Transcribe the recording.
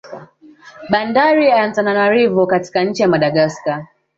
Bandari ya Antananarivo katika nchi ya Madagascar